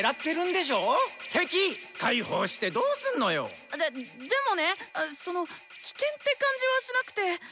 でっでもねそのっ「危険」って感じはしなくて。